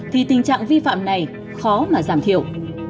thì tình trạng vi phạm này khó mà giảm thiểu